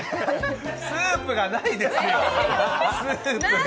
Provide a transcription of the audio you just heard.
スープがないですよ、スープが。